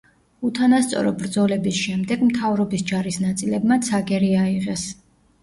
უთანასწორო ბრძოლების შემდეგ მთავრობის ჯარის ნაწილებმა ცაგერი აიღეს.